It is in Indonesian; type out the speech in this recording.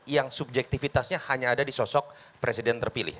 yang subjektifitasnya hanya ada di sosok presiden terpilih